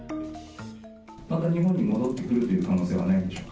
また日本に戻ってくるという可能性はあるんでしょうか。